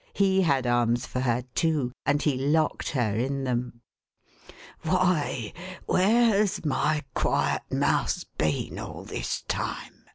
He had arms for her too, and he locked her in them. "Why, where has my quiet Mouse been all this time?"